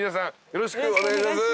よろしくお願いします。